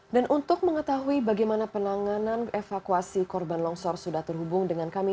dan untuk mengetahui bagaimana penanganan evakuasi korban longsor sudah terhubung dengan kami